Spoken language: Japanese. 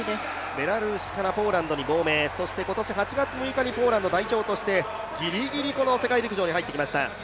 ベラルーシからポーランドに亡命、そして今年８月６日にポーランド代表としてギリギリ、この世界陸上に入ってきました。